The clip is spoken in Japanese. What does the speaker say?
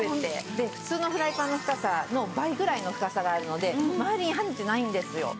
で普通のフライパンの深さの倍ぐらいの深さがあるので周りに跳ねてないんですよ。